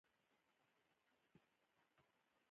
د الله ج په بندګانو د الله تعالی د احکام تطبیقول.